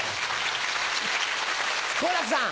好楽さん。